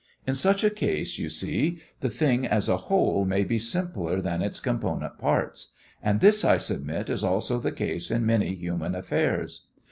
In such a case, you see, the thing as a whole may be simpler than its component parts, and this I submit is also the case in many human affairs.